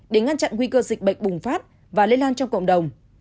để ngăn chặn nguy cơ dịch bệnh bùng phát và lây lan trong cộng đồng